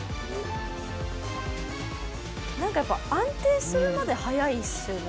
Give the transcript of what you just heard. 何かやっぱ安定するまで速いっすよね。